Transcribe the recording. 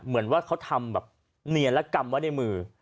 เหมือนว่าเขาทำแบบเนียนและกำไว้ในมือ